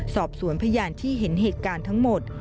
สอบสวนพยานที่เห็นเหตุการณ์ทั้งหมด